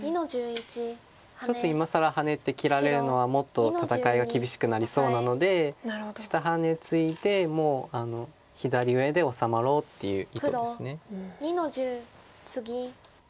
ちょっと今更ハネて切られるのはもっと戦いが厳しくなりそうなので下ハネツイでもう左上で治まろうっていう意図です。